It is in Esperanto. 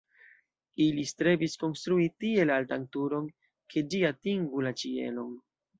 Ili strebis konstrui tiel altan turon, ke ĝi atingu la ĉielon.